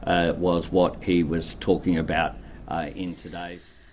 itu adalah apa yang dia berbicara tentang hari ini